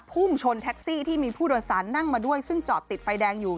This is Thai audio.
พุ่งชนแท็กซี่ที่มีผู้โดยสารนั่งมาด้วยซึ่งจอดติดไฟแดงอยู่